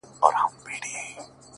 څومره چي يې مينه كړه،